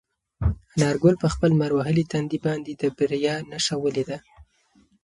انارګل په خپل لمر وهلي تندي باندې د بریا نښه ولیده.